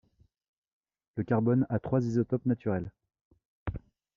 Le carbone a trois isotopes naturels.